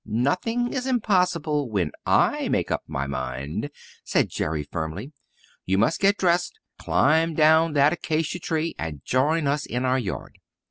"Nothing is impossible when I make up my mind," said Jerry firmly. "You must get dressed, climb down that acacia tree, and join us in our yard.